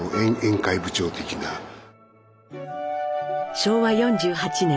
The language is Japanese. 昭和４８年。